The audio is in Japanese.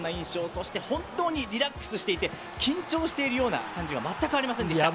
そして本当にリラックスしていて緊張しているような感じは全くありませんでした。